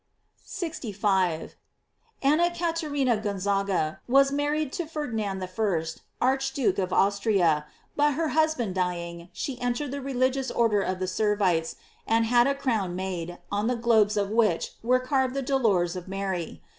* 65. — Anna Caterina Gonzaga was married to Ferdinand I., Archduke of Austria, but her hus band dying, she entered the religious order of the Servites, and had a crown made, on the globes of which were carved the dolors of the Virgin.